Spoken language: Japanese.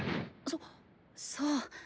そそう。